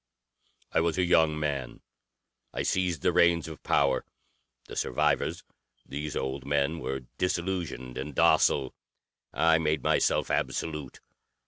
"I was a young man. I seized the reins of power. The survivors these old men were disillusioned and docile. I made myself absolute.